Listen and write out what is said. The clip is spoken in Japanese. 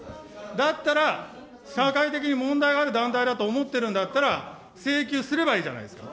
だったら、社会的に問題がある団体だと思ってるんだったら、請求すればいいじゃないですか。